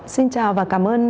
xin chào và cảm ơn